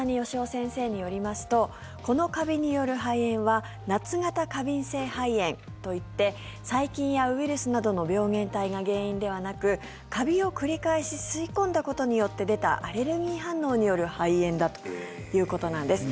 先生によりますとこのカビによる肺炎は夏型過敏性肺炎といって細菌やウイルスなどの病原体が原因ではなくカビを繰り返し吸い込んだことによって出たアレルギー反応による肺炎だということなんです。